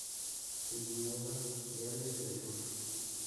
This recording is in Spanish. De Nueva Gales del Sur.